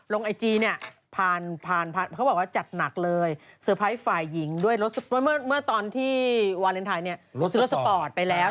พี่นี่พันเขาบอกว่าจัดหนักเลยสะพายฝ่ายหญิงด้วยรถมันเมื่อตอนที่วาเลนไทนี่ซื้อรถสปอร์ตไปแล้ว